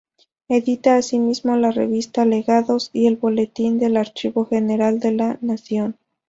Edita asimismo la revista "Legajos" y el "Boletín del Archivo General de la Nación".